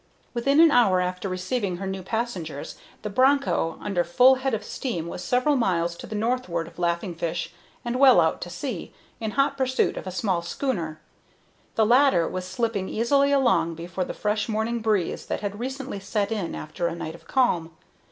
Within an hour after receiving her new passenger, the Broncho, under full head of steam, was several miles to the northward of Laughing Fish, and well out to sea, in hot pursuit of a small schooner. The latter was slipping easily along before the fresh morning breeze that had recently set in after a night of calm.